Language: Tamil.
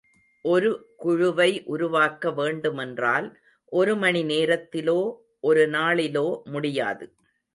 ஒரு குழுவை உருவாக்க வேண்டுமென்றால், ஒரு மணி நேரத்திலோ, ஒரு நாளிலோ முடியாது.